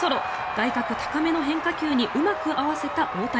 外角高めの変化球にうまく合わせた大谷。